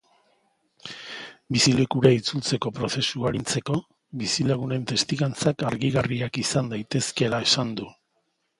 Bizilekura itzultzeko prozesua arintzeko, bizilagunen testigantzak argigarriak izan daitezkeela esan du.